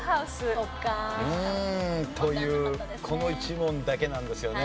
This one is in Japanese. そっか。というこの１問だけなんですよね。